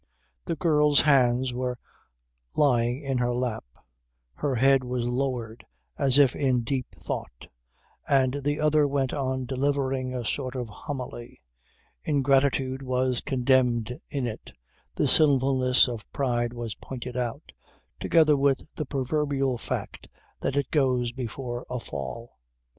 The girl's hands were lying in her lap; her head was lowered as if in deep thought; and the other went on delivering a sort of homily. Ingratitude was condemned in it, the sinfulness of pride was pointed out together with the proverbial fact that it "goes before a fall."